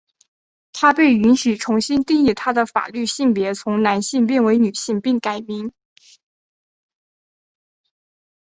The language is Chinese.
她被允许重新定义她的法律性别从男性变为女性并改名。